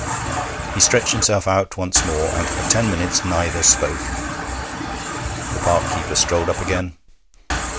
He stretched himself out once more, and for ten minutes neither spoke. The park keeper strolled up again.